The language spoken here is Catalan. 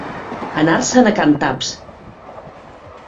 Anar-se'n a can Taps.